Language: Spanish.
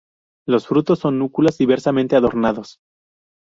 Los frutos son núculas, diversamente adornados.